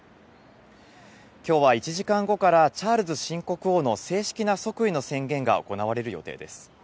きょうは１時間後からチャールズ新国王の正式な即位の宣言が行われる予定です。